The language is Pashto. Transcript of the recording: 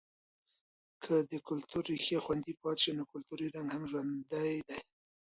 که که د کلتور ریښې خوندي پاتې شي، نو کلتوری رنګ هم ژوندی دی.